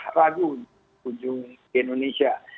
kita tidak ragu untuk kunjung ke indonesia